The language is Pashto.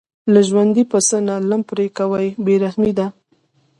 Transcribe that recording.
له ژوندي پسه نه لم پرې کوي بې رحمه دي.